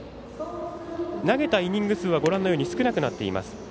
投げたイニング数は少なくなっています。